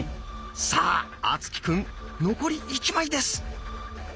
さあ敦貴くん残り１枚です。